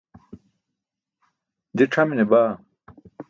je c̣hamine baa